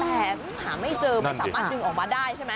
แต่หาไม่เจอไม่สามารถดึงออกมาได้ใช่ไหม